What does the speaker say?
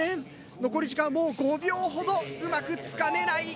残り時間もう５秒ほどうまくつかめない。